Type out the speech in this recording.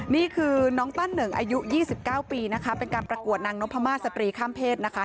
นี่คือน้องตั้นหนึ่งอายุยี่สิบเก้าปีนะคะเป็นการประกวดนางนกภรรมาศศตรีข้ามเพศนะคะ